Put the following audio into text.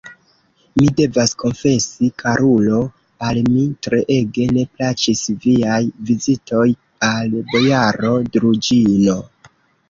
Mi devas konfesi, karulo, al mi treege ne plaĉis viaj vizitoj al bojaro Druĵino.